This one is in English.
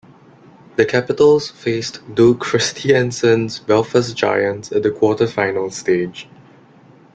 The Capitals faced Doug Christiansen's Belfast Giants at the Quarter Final stage.